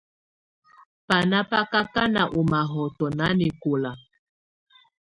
Banà bá kà kanà ù mahɔtɔ nanɛkɔlà.